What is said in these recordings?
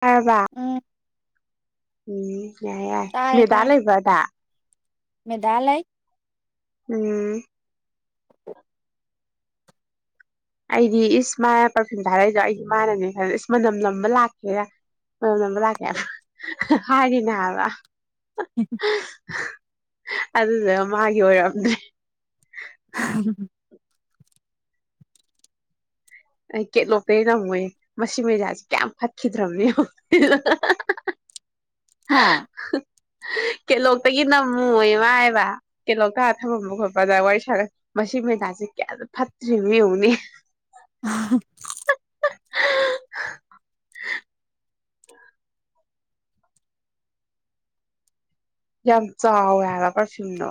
ꯇꯥꯔꯕ ꯎꯝ ꯎꯝ ꯌꯥꯏ ꯌꯥꯏ ꯇꯥꯔꯦ ꯃꯦꯗꯥ ꯇꯥꯔꯦ ꯂꯩꯕꯔ ꯑꯗꯥ ꯃꯦꯗꯥ ꯂꯩꯥ ꯎꯝ ꯑꯩꯗꯤ ꯏꯁ ꯃꯥꯅ ꯄꯔꯐ꯭ꯌꯨꯝ ꯊꯥꯔꯛꯏꯗꯣ ꯑꯩꯗꯤ ꯃꯥꯅꯅꯦ ꯈꯜ ꯏꯁ ꯃꯅꯝ ꯅꯝꯕ ꯂꯥꯛꯀꯦꯔꯥ ꯃꯅꯝ ꯅꯝꯕ ꯂꯥꯛꯀꯦꯔꯥ ꯍꯥꯏꯔꯤꯅꯦ ꯍꯥꯏꯕ ꯑꯗꯨꯗꯨꯒ ꯃꯥꯒꯤ ꯑꯣꯏꯔꯝꯗꯦ ꯎꯝꯝ ꯑꯩ ꯀꯦꯠꯂꯣꯛꯇꯩ ꯅꯝꯃꯣꯏꯌꯦ ꯃꯁꯤ ꯃꯦꯗꯥꯁꯤ ꯀꯌꯥꯝ ꯐꯠꯈꯔꯤꯗ꯭ꯔꯕꯅꯣ ꯌꯦꯡꯑꯣ ꯍꯥꯥ ꯀꯦꯂꯣꯛꯇꯒꯤ ꯅꯝꯃꯨꯣꯏꯑꯦ ꯃꯥꯍꯥꯏꯕ ꯀꯦꯂꯣꯛꯇ ꯑꯥ ꯊꯝꯃꯝꯕ ꯈꯣꯠꯄꯗ ꯋꯥꯔꯤ ꯁꯥꯔ ꯃꯁꯤ ꯃꯦꯗꯥꯁꯤ ꯀꯌꯥꯗ ꯐꯠꯇ꯭ꯔꯤꯅꯣ ꯌꯦꯡꯎꯅꯦ ꯑ [inaudible] ꯌꯥꯝ ꯆꯥꯎꯋꯦ ꯍꯥꯏꯕ ꯄꯔꯐ꯭ꯌꯨꯝꯗꯣ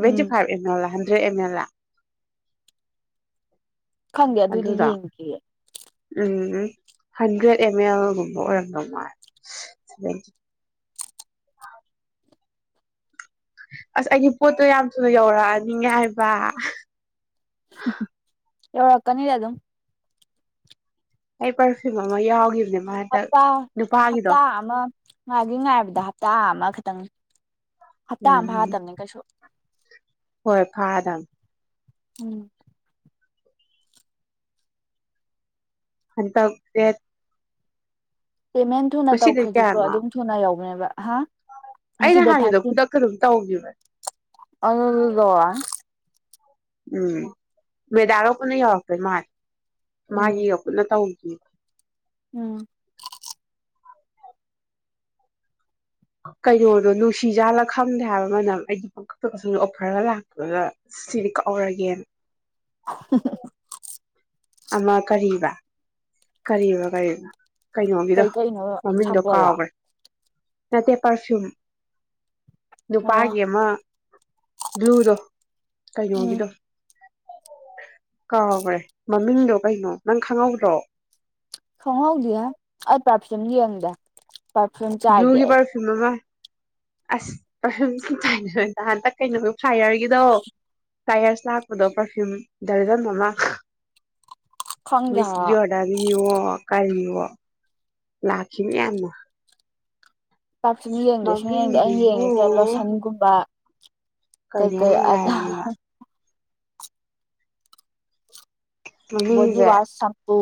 ꯎꯝ ꯑꯦꯝ ꯑꯦꯜ ꯂꯥ [unintelligible] ꯈꯪꯗꯦ ꯑꯗꯨꯗꯤ ꯑꯗꯨꯗꯣ ꯌꯦꯡꯗꯔꯤꯌꯦ ꯎꯝ ꯍꯟꯗ꯭ꯔꯦꯠ ꯑꯦꯝ ꯑꯦꯜ ꯒꯨꯝꯕ ꯑꯣꯏꯔꯝꯗꯧ ꯃꯥꯜꯂꯦ ꯑꯁ ꯑꯩꯒꯤ ꯄꯣꯠꯇꯣ ꯌꯥꯝ ꯊꯨꯅ ꯌꯧꯔꯛꯑꯅꯤꯉꯦ ꯍꯥꯏꯕ ꯑꯑ ꯀꯔꯤ ꯑꯗꯨꯝ ꯑꯩ ꯄ꯭ꯔꯐꯨꯝ ꯑꯃ ꯌꯥꯎꯈꯤꯕꯅꯦ ꯃꯥ ꯍꯟꯗꯛ ꯍꯞꯇꯥ ꯅꯨꯄꯥꯒꯤꯗꯣ ꯍꯞꯇꯥ ꯑꯃ ꯉꯥꯏꯒꯤ ꯉꯥꯏꯕꯗ ꯍꯞꯇꯥ ꯑꯃꯈ ꯇꯪ ꯍꯞꯇꯥ ꯑꯃ ꯎꯝ ꯐꯥꯗꯕꯅꯦ ꯀꯩꯁꯨ ꯍꯣꯏ ꯐꯥꯗꯃꯦ ꯎꯝ ꯍꯟꯗꯛ ꯗꯦꯠ ꯄꯦꯃꯦꯟ ꯊꯨꯅ ꯉꯁꯤꯗꯩ ꯇꯧꯈ꯭ꯔꯗꯤꯀꯣ ꯀꯌꯥꯅꯣ ꯑꯗꯨꯝ ꯊꯨꯅ ꯌꯥꯎ [unintelligible] ꯍꯥ ꯉꯁꯤ ꯑꯩꯅ ꯗꯦꯠ ꯍꯥꯟꯒꯤꯗꯣ ꯊꯥꯔꯇꯤꯟ ꯈꯨꯗꯛꯇ ꯑꯗꯨꯝ ꯇꯧꯒꯤꯕꯅꯦ ꯑꯗꯨꯗꯤ ꯌꯧꯔꯛꯂꯅꯤ ꯎꯝ ꯃꯦꯗꯥꯔꯣ ꯄꯨꯅ ꯌꯥꯎꯔꯛꯇꯧ ꯃꯜꯂꯤ ꯎꯝ ꯃꯥꯒꯤꯒ ꯄꯨꯅ ꯇꯧ [unintelligible] ꯎꯝ ꯀꯩꯅꯣꯗꯣ ꯅꯨꯡꯁꯤꯖꯥꯜꯂ ꯈꯪꯗꯦ ꯍꯥꯏꯕ ꯃꯅꯝ ꯑꯩꯗꯤ ꯄꯪꯀꯛꯇ ꯀꯛꯅꯤꯡꯉꯤ ꯑꯣꯐꯔꯒ ꯂꯥꯛꯄꯒ ꯁꯤꯗꯤ ꯀꯛꯍꯧꯔꯒꯦꯅ [unintelligible] ꯑꯃ ꯀꯔꯤꯕ ꯀꯔꯤꯕ ꯀꯔꯤꯕ ꯀꯩꯅꯣꯒꯤꯗꯣ ꯀꯩ ꯀꯩꯅꯣ ꯃꯃꯤꯡꯗꯣ ꯁꯥꯄꯣꯜꯂꯣ ꯀꯥꯎꯈ꯭ꯔꯦ ꯅꯠꯇꯦ ꯄꯔꯐ꯭ꯌꯨꯝ ꯑꯣ ꯅꯨꯄꯥꯒꯤ ꯑꯃ ꯕ꯭ꯂꯨꯗꯣ ꯎꯝ ꯀꯩꯅꯣꯒꯤꯗꯣ ꯀꯥꯎꯈꯔꯦ ꯃꯃꯤꯡꯗꯣ ꯀꯩꯅꯣ ꯅꯪ ꯈꯪꯍꯧꯗ꯭ꯔꯣ ꯈꯪ ꯍꯧꯗꯤꯌꯦ ꯑꯩ ꯄ꯭ꯔꯐꯤꯝ ꯌꯦꯡꯗꯦ ꯄꯔꯐ꯭ꯌꯨꯝ ꯆꯥꯏꯗꯦ ꯕ꯭ꯂꯨꯒꯤ ꯑꯩ ꯄ꯭ꯔꯐꯤꯝ ꯂꯣ ꯑꯁ ꯄ꯭ꯔꯕꯐꯤꯝ ꯍꯟꯇꯛ ꯀꯩꯅꯣ ꯍꯥꯏ ꯌꯥꯔꯒꯤꯗꯣ ꯇꯥꯏꯌꯔꯁ ꯂꯥꯛꯄꯗꯣ ꯄꯔꯐ꯭ꯌꯨꯝ ꯗꯔꯖꯟ ꯑꯃ ꯈꯪꯗꯦ ꯃꯤꯁ ꯍꯥꯏꯕ ꯖꯤꯌꯣꯗꯔꯅꯤ ꯌꯦꯡꯉꯣ ꯑꯣ ꯀꯔꯤꯔꯣ ꯂꯥꯛꯈꯤꯕꯅꯤ ꯌꯥꯝꯅ ꯄ꯭ꯔꯐꯤꯝ ꯌꯦꯡꯗꯦ ꯁꯨ ꯌꯦꯡ ꯌꯦꯡꯗꯦ ꯑꯩꯅ ꯃꯃꯤꯡꯗꯨꯕꯨ ꯌꯦꯡꯉꯤꯁꯦ ꯂꯣꯁꯟꯒꯨꯝꯕ ꯀꯩ ꯀꯩꯅꯣꯝ ꯀꯩ ꯑꯇꯥ ꯍꯥꯏꯕꯅꯦꯕ ꯕꯣꯗꯤ ꯃꯃꯤꯡꯁꯦ ꯋꯥꯁ ꯁꯝꯄꯨ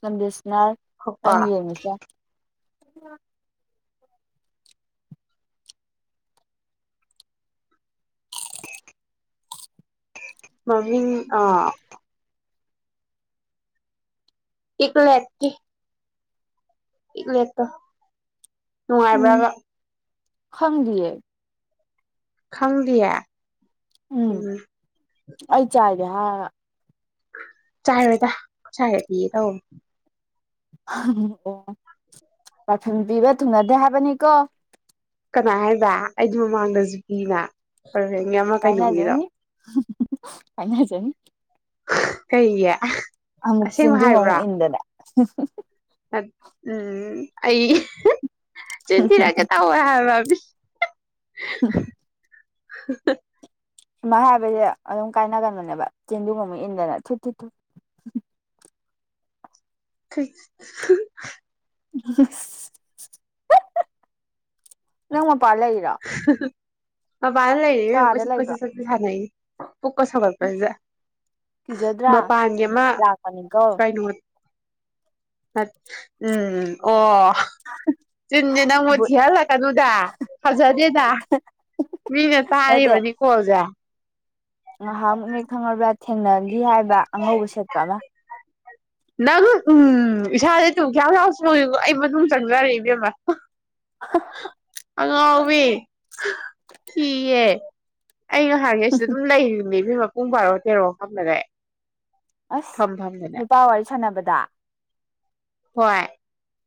ꯀꯟꯗꯤꯁ ꯌꯥꯔꯦ ꯈꯣꯀꯣ ꯑꯩꯅ ꯌꯣꯟꯒꯦꯁꯨ ꯌꯥꯏ [unintelligible] ꯃꯃꯤꯡ ꯑꯥ ꯏꯄꯂꯦꯠꯀꯤ ꯏꯒꯂꯦꯇꯣ ꯎꯝ ꯅꯨꯡꯉꯥꯏꯕ꯭ꯔꯥꯕ ꯈꯪꯗꯤꯌꯦ ꯈꯪꯗꯤꯌꯦ ꯎꯝ ꯑꯩ ꯆꯥꯏ ꯌꯥꯍꯥ ꯆꯥꯏꯔꯣꯏꯗ ꯆꯥꯏꯔꯗꯤꯅ ꯇꯧ ꯎꯝ ꯑꯣ ꯄꯔꯐ꯭ꯌꯨꯝ ꯄꯤꯕ ꯊꯨꯅꯗꯦ ꯍꯥꯏꯕꯅꯤꯀꯣ ꯀꯅꯥ ꯍꯥꯏꯕ ꯑꯩꯗꯤ ꯃꯃꯥꯡꯗꯁꯨ ꯄꯤꯅ ꯐꯔ ꯑꯃ ꯀꯩꯅꯣꯒꯤꯔꯣ ꯀꯥꯏꯅ ꯖꯅꯤ ꯀꯩꯒꯤ ꯑꯃꯨꯛ ꯆꯤꯟꯗꯨꯨꯡ ꯑꯃꯨꯛ ꯏꯟꯗꯅ [unintelligible] ꯑ ꯎꯝ ꯑꯩ ꯆꯤꯟꯊꯤꯔꯀꯦ ꯇꯧꯋꯦ ꯍꯥꯏꯕ ꯃꯤ ꯍ [unintelligible] ꯁꯨꯃꯥꯏꯅ ꯍꯥꯏꯕꯁꯦ ꯑꯗꯨꯝ ꯀꯥꯏꯅꯒꯟꯕꯅꯦꯕ ꯆꯦꯟꯗꯨ ꯑꯃꯨꯛ ꯏꯟꯗꯅ ꯊꯨ ꯊꯨ ꯊꯨ ꯊꯨꯏ ꯅꯪ ꯄꯥꯟ ꯂꯩꯔꯤꯔꯣ ꯃꯄꯥꯟꯅ ꯂꯩꯔꯤ ꯏꯕꯦꯝꯃ ꯀꯥꯗ ꯀꯣꯏꯆꯠ ꯂꯩꯕ꯭ꯔꯣ ꯀꯣꯏꯆꯠ ꯆꯠꯄꯤ ꯁꯥꯅꯩꯅꯤ ꯄꯨꯛꯀ ꯎꯝ ꯁꯥꯎꯒꯠꯄꯖꯤꯗ ꯀꯤꯖꯗ꯭ꯔꯥ ꯚꯨꯠ ꯂꯥꯛꯄꯅꯤꯀꯣ ꯀꯩꯅꯣ ꯎꯝ ꯑꯣ ꯆꯤꯟꯖꯦ ꯅꯪꯕꯨ ꯕꯨꯠ ꯊꯤꯍꯜꯂꯛꯀꯅꯨꯗ ꯐꯖꯗꯦꯗ ꯃꯤꯅ ꯇꯥꯔꯤꯕꯅꯤ ꯀꯣꯜꯖꯦ ꯉꯍꯥꯟꯃꯨꯛꯅꯦ ꯈꯪꯉꯕ꯭ꯔꯥ ꯊꯦꯡꯅꯈꯤ ꯍꯥꯏꯕ ꯑꯉꯧꯕ ꯁꯦꯠꯄ ꯑꯃ ꯅꯪ ꯎꯝ ꯏꯁꯥꯥꯁꯦ ꯇꯨ ꯈꯌꯥꯎ ꯈꯌꯥꯎ ꯆꯣꯡꯉꯤꯀꯣ ꯑꯩ ꯃꯅꯨꯡ ꯆꯪꯖꯔꯦ ꯏꯕꯦꯝꯃ ꯍꯥꯍꯥ ꯑꯉꯥꯎꯕꯤ ꯀꯤꯌꯦ ꯑꯩ ꯉꯍꯥꯟꯒꯩ ꯁꯤꯗ ꯑꯗꯨꯝ ꯂꯩꯔꯤꯅꯦ ꯏꯕꯦꯝꯃ ꯄꯨꯡ ꯕꯥꯔꯣ ꯇꯦꯔꯣ ꯈꯪꯗꯒꯩ ꯑꯁ ꯅꯨꯄꯥ ꯋꯥꯔꯤ ꯁꯟꯅꯕ ꯗ ꯍꯣꯏ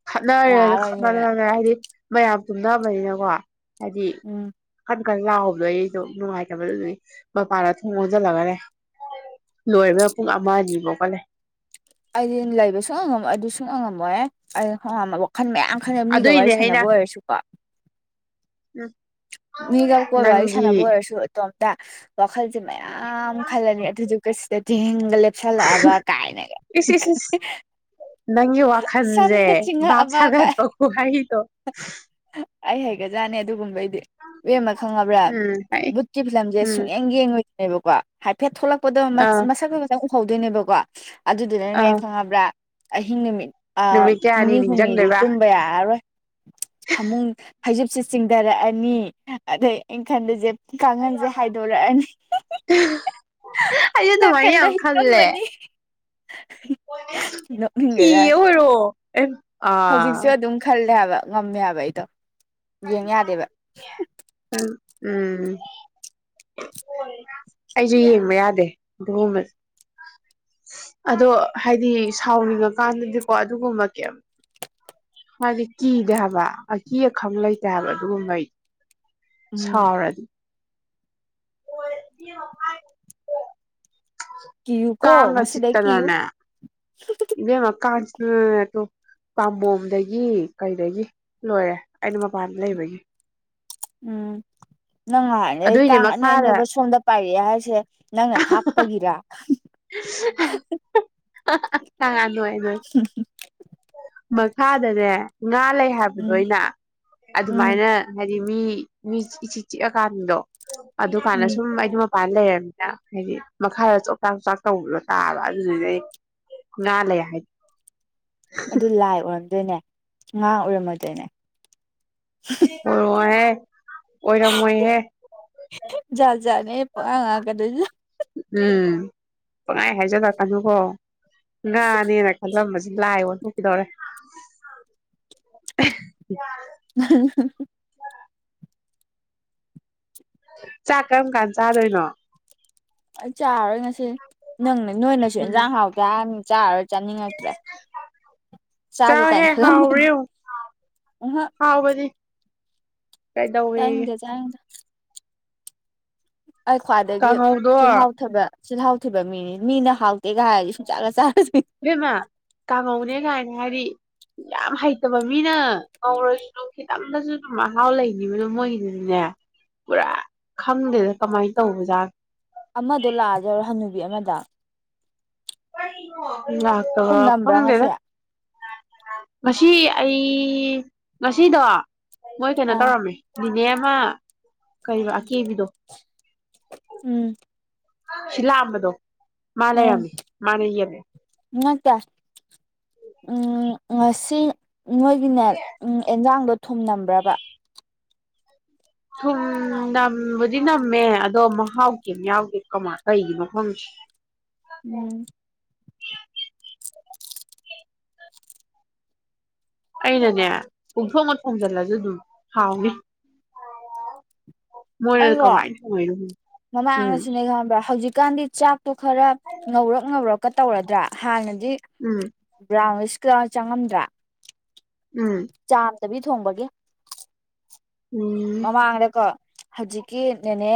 ꯈꯠꯅꯔꯦ ꯌꯥꯔꯣꯏꯅꯦ ꯈꯠꯅꯔꯦ ꯍꯥꯏꯗꯤ ꯃꯌꯥꯝ ꯇꯨꯝꯅꯕꯅꯤꯅꯀꯣ ꯍꯥꯏꯗꯤ ꯎꯝ [unintelligible] ꯂꯥꯎꯕꯗꯣ ꯑꯩꯗꯣ ꯅꯨꯡꯉꯥꯏꯇꯕꯗꯨꯗꯤ ꯃꯄꯥꯟꯗ ꯊꯣꯡ ꯂꯣꯟꯟꯖꯤꯜꯂꯒ ꯂꯩ ꯂꯣꯏꯔꯦ ꯏꯕꯦꯝꯃ ꯄꯨꯡ ꯑꯃ ꯑꯅꯤ ꯐꯥꯎꯀ ꯂꯩ ꯑꯩꯗꯤ ꯂꯩꯕ ꯁꯨꯡ ꯑꯉꯝꯃꯣꯏ ꯑꯗꯨ ꯁꯨꯡ ꯑꯉꯝ ꯉꯝꯃꯣꯏ ꯉꯝꯃꯣꯏꯍꯦ [unintelligible] ꯋꯥꯈꯜ ꯃꯌꯥꯝ ꯈꯜꯂꯦ ꯃꯤꯒ ꯋꯥꯔꯤ ꯑꯗꯨꯏꯅꯦ ꯑꯩꯅ ꯁꯥꯟꯅꯕ ꯑꯣꯏꯔꯁꯨꯀꯣ ꯎꯝ ꯃꯤꯒ ꯀꯣꯜ ꯋꯔꯤ ꯅꯪꯒꯤ ꯁꯥꯟꯅꯕ ꯑꯣꯏꯔꯁꯨ ꯏꯇꯣꯝ ꯗꯥ ꯋꯥꯈꯜꯁꯦ ꯃꯌꯥꯝ ꯈꯜꯂꯅꯤ ꯑꯗꯨꯗꯨꯒ ꯁꯤꯗ ꯊꯦꯡꯒ ꯂꯦꯞꯁꯜꯂꯛ ꯑꯕ ꯀꯥꯏꯅ ꯏꯁ ꯏꯁ ꯏꯁ ꯅꯪꯒꯤ ꯋꯥꯈꯜꯁꯦ ꯁꯝꯒ ꯆꯤꯡꯉꯛ ꯚꯥꯞ ꯑꯕ ꯀꯥꯏ ꯁꯥꯒꯠꯄ ꯈꯨꯍꯩꯗꯣ ꯑꯩ ꯍꯩꯒꯗꯅꯦ ꯑꯗꯨ ꯒꯨꯝꯕꯩ ꯏꯕꯦꯝꯃ ꯈꯪꯉꯕ꯭ꯔꯥ ꯎꯝ ꯍꯥꯏ ꯕꯨꯠꯀꯤ ꯐꯤꯂꯝꯁꯦ ꯎꯝ ꯁꯨꯡꯌꯦꯡ ꯌꯦꯡꯉꯣꯏ ꯅꯕꯀꯣ ꯍꯥꯏꯐꯦꯠ ꯊꯣꯛꯂꯛꯄ ꯕꯨꯠꯇꯣ ꯑꯥ ꯃꯁꯛ ꯀ ꯎꯍꯧ ꯗꯣꯏꯅꯦ ꯕꯀꯣ ꯑꯗꯨ ꯗꯨꯅꯅꯦ ꯑꯥ ꯈꯪꯉꯕ꯭ꯔꯥ ꯑꯍꯤꯡ ꯅꯨꯃꯤꯠ ꯑꯥ ꯅꯨꯃꯤꯠ ꯀꯌꯥꯅꯤ ꯅꯤꯅꯤ ꯍꯨꯝꯅꯤꯗꯤ ꯅꯤꯡꯁꯤꯡꯗꯣꯏꯕ ꯇꯨꯝꯕ ꯌꯥꯔꯔꯣꯏ ꯐꯃꯨꯡ ꯍꯩ ꯖꯨꯞꯁꯦ ꯆꯤꯡ ꯊꯔꯛ ꯑꯅꯤ ꯑꯗꯩ ꯑꯩ ꯈꯟ ꯗꯣꯏꯁꯦ ꯀꯥꯡꯈꯟꯁꯦ ꯍꯥꯏꯗꯣꯔꯛ ꯑꯅꯤ ꯑꯩꯁꯨ ꯑꯗꯨꯃꯥꯏꯅ ꯅꯥꯀꯟꯗ ꯌꯥꯝ ꯍꯤꯞ ꯄꯞ ꯈꯜꯂꯦ ꯃꯅꯤ ꯀꯤꯌꯦ ꯑꯦ ꯍꯧꯖꯤꯛꯁꯨ ꯑꯥ ꯑꯗꯨꯝ ꯈꯜꯂꯦ ꯍꯥꯏꯕ ꯉꯝꯃꯦ ꯍꯥꯏꯕ ꯑꯩꯗꯣ ꯌꯦꯡ ꯌꯥꯗꯦꯕ ꯎꯝ ꯑꯩꯁꯨ ꯌꯦꯡꯕ ꯌꯥꯗꯦ ꯑꯗꯨ ꯒꯨꯝꯕ ꯑꯗꯣ ꯍꯥꯏꯗꯤ ꯁꯥꯎꯅꯤꯡ ꯑ ꯀꯥꯟꯗꯗꯤꯀꯣ ꯑꯗꯨꯒꯨꯝꯕ ꯀꯦꯝ ꯍꯥꯏꯗꯤ ꯀꯤꯗꯦ ꯍꯥꯏꯕ ꯑꯀꯤ ꯑꯈꯪ ꯂꯩꯇꯦ ꯍꯥꯏꯕ ꯑꯗꯨꯒꯨꯝ ꯕꯩꯗꯤ ꯎꯝ ꯁꯥꯎꯔ ꯑꯣ [unintelligible] ꯀꯤꯌꯨꯀꯣ ꯀꯥꯡꯅ ꯉꯁꯤꯗꯩ ꯆꯤꯛꯇ ꯀꯤꯌꯨ ꯅꯅꯦ ꯏꯕꯦꯝꯃꯥ ꯀꯥꯡꯅ ꯆꯤꯛ ꯑ ꯇꯣ ꯄꯥꯝꯕꯣꯝꯗꯒꯤ ꯀꯩꯗꯒꯤ ꯂꯣꯏꯔꯦ ꯑꯩꯅ ꯃꯄꯥꯟꯗ ꯂꯩꯕꯒꯤ ꯎꯝ ꯅꯪ ꯉꯥꯏꯔꯤꯉꯩꯗ ꯑꯗꯨꯏꯅꯦ ꯀꯥꯡ ꯑꯅꯣꯏ ꯃꯈꯥꯗ ꯑꯅꯣꯏꯕ ꯁꯣꯝꯗ ꯄꯥꯏꯔꯤ ꯌꯥ ꯍꯥꯏꯁꯦ ꯅꯪꯅ ꯊꯥꯛꯄꯒꯤꯔ [unintelligible] ꯑ ꯍ ꯍꯝ [unintelligible] ꯃꯈꯥꯗꯅꯦ ꯉꯥ ꯂꯩ ꯍꯥꯏꯕꯗꯣ ꯎꯝ ꯑꯩꯅ ꯎꯝ ꯑꯗꯨꯃꯥꯏꯅ ꯍꯥꯏꯗꯤ ꯑꯗꯨꯗꯤ ꯃꯤ ꯃꯤ ꯏꯆꯤ ꯆꯤꯛꯑꯀꯥꯟꯗꯣ ꯑꯗꯨꯀꯥꯟꯗ ꯎꯝ ꯁꯨꯝ ꯑꯩꯗꯨ ꯃꯄꯥꯟ ꯂꯩꯔꯝ ꯍꯥꯏꯗꯤ ꯃꯈꯥꯗ ꯆꯣꯆꯥꯛ ꯆꯣꯆꯥꯛ ꯇꯧꯕꯗꯣ ꯇꯥꯕ ꯑꯗꯨꯗꯨꯗꯩ ꯉꯥ ꯂꯩ ꯍꯥꯏꯗꯤ ꯑꯗꯨ ꯂꯥꯢ ꯑꯣꯢꯔꯝ ꯑꯗꯨꯅꯦ ꯉꯥ ꯑꯣꯢꯔꯝꯃꯣꯢꯗꯣꯏꯅꯦ [unintelligible] ꯑꯣꯏꯔꯝꯃꯣꯏꯍꯦ ꯖꯥꯠ ꯖꯥꯠ ꯅꯦ ꯄꯉꯥꯡ ꯉꯥꯡꯉꯛꯀꯗꯣꯢꯁꯦ ꯎꯝ ꯄꯡꯍꯥꯏ ꯍꯥꯏꯖꯤꯜꯂꯛꯀꯅꯨꯀꯣ ꯉꯥꯅꯦꯅ ꯈꯜꯂꯝꯕꯁꯦ ꯂꯥꯏ ꯑꯣꯟꯊꯣꯛꯈꯤꯗꯧꯔꯦ ꯎꯍ ꯎꯍ ꯆꯥꯛ ꯀꯔꯝ ꯀꯥꯟ ꯆꯥꯗꯣꯏꯅꯣ ꯑꯩ ꯆꯥꯔꯔꯣꯏ ꯉꯁꯤ ꯅꯪ ꯅꯣꯏꯅꯁꯨ ꯎꯝ ꯏꯟꯖꯥꯡ ꯍꯥꯎꯇꯦ ꯍꯥꯏꯔꯃꯤꯅ ꯆꯥꯔꯔꯣꯏ ꯆꯥꯅꯤꯡꯉꯛꯇ꯭ꯔꯦ ꯆꯥꯒꯦ ꯆꯥꯎꯍꯦ ꯀꯥꯏꯅ ꯍꯥꯎꯔꯦ ꯈꯜꯂꯝꯕꯅꯤ ꯌꯦꯡꯉꯨ ꯍꯥꯎꯕꯅꯤ ꯀꯩꯗꯧꯋꯦꯒꯦ ꯆꯥꯅꯤꯡꯗꯦ ꯆꯥꯅꯤꯡꯗꯦ [inaudible] ꯑꯩ ꯈ꯭ꯋꯥꯏꯗꯒꯤ ꯀꯥꯡꯍꯧꯗꯣ ꯆꯤꯜꯍꯥꯎꯊꯤꯕ ꯆꯤꯜꯍꯥꯎꯊꯤꯕ ꯃꯤꯅꯤ ꯃꯤꯅ ꯍꯥꯎꯇꯦꯒ ꯍꯥꯏꯔꯗꯤ ꯁꯨꯡꯆꯥꯒ ꯆꯥꯢꯔꯣ ꯏꯕꯦꯝꯃꯥ ꯀꯡꯍꯧꯅꯤ ꯅꯦ ꯀꯥꯏꯅ ꯍꯥꯏꯗꯤ ꯌꯥꯝ ꯍꯩꯇꯕ ꯃꯤꯅ ꯀꯧꯔꯁꯨ ꯈꯤꯇꯪꯗꯁꯨ ꯑꯗꯨꯝ ꯃꯍꯥꯎ ꯂꯩꯅꯤꯕ ꯃꯣꯏꯒꯤꯗꯨꯗꯤꯅꯦ ꯄꯨꯔꯥ ꯈꯪꯗꯦꯗ ꯀꯃꯥꯏꯅ ꯇꯧꯕꯖꯥꯠ ꯑꯃꯗꯣ ꯂꯥꯛꯑ ꯆꯜꯂꯣ ꯍꯟꯅꯨꯕꯤ ꯑꯃꯗꯣ [unintelligible] ꯂꯥꯛꯄ ꯊꯨꯝ ꯅꯝꯕ꯭ꯔꯥ ꯉꯁꯤ ꯈꯪꯗꯦꯗ ꯉꯁꯤ ꯑꯩ ꯉꯁꯤꯗꯣ ꯃꯣꯏ ꯀꯩꯅꯣ ꯑꯥ ꯇꯧꯔꯝꯃꯦ ꯅꯤꯅꯦ ꯑꯃ ꯀꯔꯤꯕ ꯑꯀꯦꯕꯤꯗꯣ ꯎꯝ ꯁꯤ ꯂꯥꯛꯑꯝꯕꯗꯣ ꯃꯥ ꯎꯝ ꯂꯩꯔꯝꯃꯦ ꯃꯥꯅ ꯌꯦꯜꯂꯑꯦ ꯅꯠꯇꯦ ꯎꯝ ꯉꯁꯤ ꯃꯣꯏꯒꯤꯅꯦ ꯎꯝ ꯑꯦꯟꯖꯥꯡꯗꯣ ꯊꯨꯝꯅꯝꯕ꯭ꯔꯕ ꯊꯨꯝ ꯅꯝꯕꯨꯗꯤ ꯅꯝꯃꯦ ꯑꯗꯣ ꯃꯍꯥꯎ ꯀꯦꯝ ꯌꯥꯎꯗꯦ ꯀꯃꯥꯏ ꯀꯩꯒꯤꯅꯣ ꯈꯪꯗꯦ ꯎꯝ ꯑꯩꯅꯅꯦ ꯄꯣꯡꯊꯣꯡꯅ ꯊꯣꯡꯖꯤꯜꯂꯁꯨ ꯑꯗꯨꯝ ꯍꯥꯎꯅꯤ ꯃꯣꯏꯅ ꯑꯩꯔꯣ ꯀꯃꯥꯏꯅ ꯊꯣꯡꯉꯛꯏꯅꯣ ꯎꯝ ꯃꯃꯥꯡꯗꯁꯨꯅꯦ ꯈꯪꯕ꯭ꯔꯥ ꯍꯧꯖꯤꯛ ꯍꯧꯖꯤꯀꯥꯟꯗꯤ ꯆꯥꯛꯇꯣ ꯈꯔ ꯉꯧꯔꯛ ꯉꯧꯔꯛꯀ ꯇꯧꯔꯗ꯭ꯔꯥ ꯍꯥꯟꯅ ꯎꯝ ꯔꯥꯁ ꯆꯥ ꯆꯪꯉꯝꯗ꯭ꯔꯥ ꯎꯝ ꯊꯕꯤ ꯊꯣꯡꯕꯒꯤ ꯎꯝ ꯃꯃꯥꯡꯗꯀꯣ ꯍꯧꯖꯤꯛꯀꯤ ꯅꯦꯅꯦ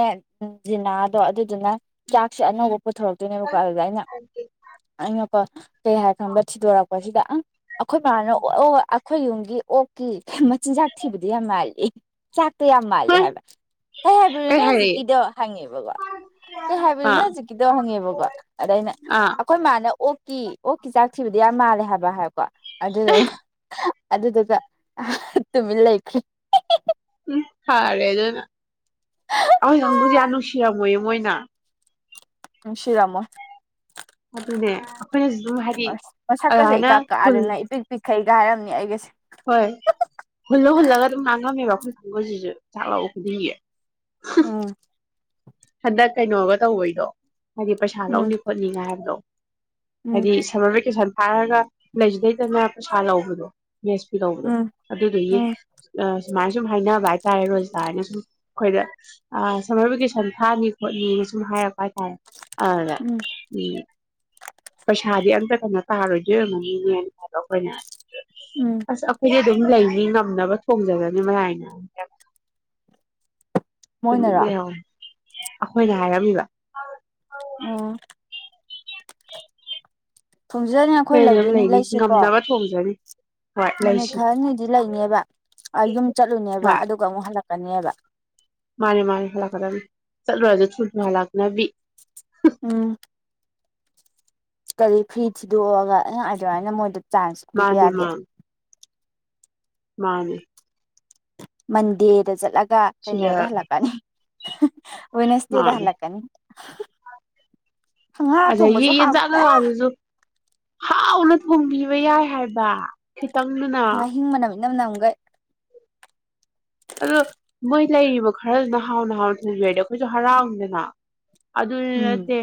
ꯖꯤꯅꯥꯗꯣ ꯑꯗꯨꯗꯨꯅ ꯆꯥꯛꯁꯦ ꯑꯅꯧꯕ ꯄꯨꯊꯣꯔꯛꯇꯣꯏꯅꯦꯕꯀꯣ ꯑꯗꯨꯗ ꯑꯩꯅ ꯑꯩꯅ [inaudible] ꯀꯩ ꯍꯥꯏ ꯈꯪꯕꯔꯥ ꯊꯤꯗꯣꯔꯛ ꯄꯁꯤꯗ ꯑꯪ ꯑꯩꯈꯣꯏ ꯕꯥꯅ ꯑꯩꯈꯣꯏ ꯌꯨꯝꯒꯤ ꯑꯣꯛꯀꯤ ꯃꯆꯤꯟꯖꯥꯛ ꯊꯤꯕꯗꯨ ꯌꯥꯝ ꯃꯥꯜꯂꯤ ꯆꯥꯛ ꯇ ꯌꯥꯝ ꯃꯥꯂꯦ ꯍꯣꯏ ꯍꯥꯏꯕ ꯀꯩ ꯍꯥꯏꯕꯅꯣ ꯅꯪ ꯍꯧꯖꯤꯛꯀꯤꯗꯣ ꯍꯪꯉꯦꯕꯀꯣ ꯀꯩ ꯍꯥꯏꯕꯅꯣ ꯅꯪ ꯑꯥ ꯍꯧꯖꯤꯛꯀꯤꯗꯣ ꯍꯪꯉꯦꯕꯀꯣ ꯑꯗ ꯑꯩꯅ ꯑꯥ ꯑꯩꯈꯣꯏ ꯃꯥꯅ ꯑꯣꯛ ꯀꯤ ꯑꯣꯀꯤ ꯆꯥꯛ ꯊꯤꯕꯗꯨ ꯌꯥꯝ ꯃꯥꯜꯂꯦ ꯍꯥꯏꯕ ꯍꯥꯏꯔꯛꯄ ꯑꯗꯨꯗ ꯑꯗꯨꯗꯨꯒ ꯑ ꯇꯨꯃꯤꯟꯂꯩꯈꯤ ꯎꯝ ꯐꯔꯦꯑꯗꯨꯅ [unintelligible] ꯅꯨꯡꯁꯤꯔꯝꯃꯣꯏ ꯃꯣꯏꯅ ꯅꯨꯡꯁꯤꯔꯝꯃꯣꯏ ꯑꯗꯨꯅꯦ ꯑꯩꯈꯣꯏꯅꯁꯨ ꯑꯗꯨꯝ ꯍꯥꯏꯗꯤ ꯑꯁ ꯑꯗꯨꯃꯥꯏꯅ ꯍꯨꯜ ꯐꯩꯒ ꯍꯥꯏꯔꯝꯅꯤ ꯑꯩꯒꯁꯦ ꯍꯣꯏ ꯍꯨꯜꯂ ꯍꯨꯜꯂꯒ ꯑꯗꯨꯝ ꯉꯥꯡꯉꯝꯃꯦꯕ ꯑꯩꯈꯣꯏ ꯀꯥꯡꯉꯨꯁꯤꯁꯨ ꯆꯥꯛ ꯂꯧꯕ ꯈꯨꯗꯤꯡꯒꯤ ꯎꯝ ꯍꯟꯗꯛ ꯀꯩꯅꯣꯒ ꯇꯧꯕꯩꯗꯣ ꯍꯥꯏꯗꯤ ꯄꯩꯁꯥ ꯎꯝ ꯂꯧꯅꯤ ꯈꯣꯠꯅꯤꯉꯥꯏ ꯍꯥꯏꯕꯗꯣ ꯎꯝ ꯍꯥꯏꯗꯤ ꯁꯝꯃꯔ ꯚꯦꯀꯦꯁꯟ ꯍꯥꯏꯔꯒ ꯂꯩꯖꯨꯂꯩꯇꯅ ꯄꯩꯁꯥ ꯂꯧꯕꯗꯣ ꯃꯦꯁ ꯐꯤ ꯂꯧꯕꯗꯣ ꯎꯝ ꯑꯗꯨꯗꯨꯒꯤ ꯎꯝ ꯑ ꯁꯨꯃꯥꯏꯅ ꯁꯨꯝ ꯍꯥꯏꯅꯕ ꯍꯥꯏꯇꯥꯔꯦ ꯔꯣꯖꯤꯇꯥ ꯍꯥꯏꯅ ꯁꯨꯝ ꯑꯩꯈꯣꯏꯗ ꯑ ꯁꯝꯃꯔ ꯚꯦꯀꯦꯁꯟ ꯊꯥꯅꯤ ꯈꯣꯠꯅꯤ ꯁꯨꯝ ꯍꯥꯏꯔꯛꯄ ꯍꯥꯏꯇꯔꯦ ꯑꯗ ꯎꯝ ꯎꯝ ꯄꯩꯁꯥꯗꯤ ꯑꯝꯇ ꯀꯩꯅ ꯇꯥꯔꯣꯏꯗꯣꯢ ꯑꯣꯏꯔꯃꯅꯤꯅꯦꯅ ꯍꯥꯏꯕ ꯑꯈꯣꯏꯅ ꯎꯝ ꯑꯁ ꯑꯩꯈꯣꯏꯖꯤ ꯑꯗꯨꯝ ꯂꯩꯅꯤ ꯉꯝꯅꯕ ꯊꯣꯡꯖꯔꯅꯤ ꯃꯌꯥꯏꯅ ꯃꯣꯏꯅꯔꯣ [unintelligible] ꯑꯈꯣꯏꯅ ꯍꯥꯏꯔꯝꯃꯤꯕ ꯑꯣ ꯊꯣꯡꯖꯅꯤ ꯑꯩꯈꯣꯏ ꯐꯔꯤ ꯑꯗꯨꯝ ꯂꯩꯗꯣꯏꯅꯤ ꯂꯩꯅꯤ ꯂꯩꯁꯤꯀꯣ ꯉꯝꯅꯕ ꯊꯣꯡꯖꯔꯤ ꯅꯨꯃꯤꯠ ꯈꯔꯅꯤꯗꯤ ꯂꯩꯅꯦꯕ ꯑꯌꯨꯝ ꯆꯠꯂꯨꯅꯦꯕ ꯑꯗꯨꯒ ꯑꯃꯨꯛ ꯍꯜꯂꯛ ꯀꯅꯦꯕ ꯃꯥꯅꯤ ꯃꯥꯅꯤ ꯍꯜꯂꯛꯀꯗꯕꯅꯤ ꯆꯠꯂꯨꯔꯁꯨ ꯊꯨꯅ ꯍꯜꯂꯛꯅꯕꯤ ꯎꯝ ꯀꯔꯤ ꯐ꯭ꯔꯤ ꯊꯤꯗꯣꯛꯑꯒ ꯑꯗꯨꯃꯥꯏꯅ ꯃꯣꯏꯗ ꯆꯥꯟꯁ ꯄꯤꯕ ꯃꯥꯅꯦ ꯌꯥꯗꯦ ꯃꯥꯅꯦ ꯃꯥꯅꯦ ꯃꯟꯗꯦꯗ ꯖꯂꯛ ꯗ ꯀꯩꯅꯣꯗ ꯁꯤꯗ ꯍꯜꯂꯛꯀꯅꯤ ꯍ ꯋꯦꯅꯁꯗꯦꯗ ꯃꯥꯅꯦ ꯍꯜꯂꯛꯀꯅꯤ ꯍꯪꯍꯥ ꯊꯣꯡꯕꯁꯨ ꯑꯖꯏ ꯌꯦꯟꯆꯥꯛꯅ ꯍꯥꯎꯇꯦ ꯂꯥꯜꯂꯁꯨ ꯍꯥꯎꯅ ꯊꯣꯡꯕꯤꯕ ꯌꯥꯏ ꯍꯥꯏꯕ ꯇꯪꯗꯨꯅ ꯉꯥꯍꯤꯡ ꯃꯅꯝ ꯏꯅꯝ ꯅꯝꯒꯩ ꯑꯗꯣ ꯃꯣꯏ ꯂꯩꯔꯤꯕ ꯈꯔꯗꯨꯅ ꯍꯥꯎꯅ ꯍꯥꯎꯅ ꯊꯣꯡꯕꯤꯔꯗꯤ ꯑꯈꯣꯏꯁꯨ ꯍꯔꯥꯎꯅꯤꯗꯅ ꯑꯗꯨꯖꯨ ꯎꯝ ꯅꯠꯇꯦ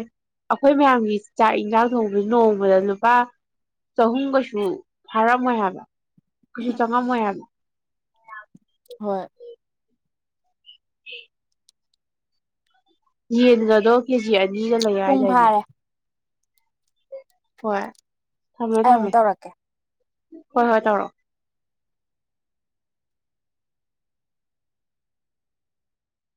ꯑꯈꯣꯏ ꯃꯌꯥꯝꯒꯤ ꯆꯥꯛ ꯌꯦꯟꯖꯥꯡ ꯊꯣꯡꯕꯗ ꯅꯣꯡꯃꯒꯤ ꯂꯨꯄꯥ ꯆꯍꯨꯝ ꯀꯩꯁꯨ ꯐꯥꯔꯝꯃꯣꯏ ꯍꯥꯏꯕ ꯀꯩꯁꯨ ꯆꯪꯉꯝꯃꯣꯏ ꯍꯥꯏꯕ ꯌꯥꯝ ꯍꯣꯏ ꯍꯦ ꯌꯦꯟꯒꯗꯣ ꯀꯖꯤ ꯑ ꯅꯤꯒ ꯂꯩ ꯄꯨꯡ ꯍꯥꯏꯗꯥꯏꯅꯦ ꯐꯥꯔꯦ ꯍꯣꯏ ꯊꯝꯃꯦ ꯑꯩ ꯊꯝꯃꯦ ꯑꯃꯨꯛ ꯇꯧꯔꯛꯀꯦ ꯍꯣꯏ ꯍ ꯇꯧꯔꯣꯑꯣ